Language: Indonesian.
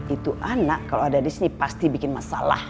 itu anak kalau ada di sini pasti bikin masalah